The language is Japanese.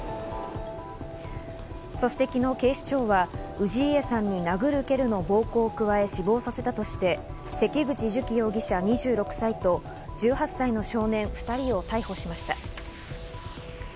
そして昨日、警視庁は氏家さんに殴る蹴るの暴行を加え死亡させたとして、関口寿喜容疑者、２６歳と１８歳の少年２人を逮捕しました。